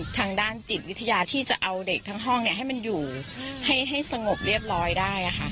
ทางด้านจิตวิทยาที่จะเอาเด็กทั้งห้องให้มันอยู่ให้สงบเรียบร้อยได้